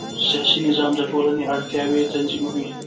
سیاسي نظام د ټولنې اړتیاوې تنظیموي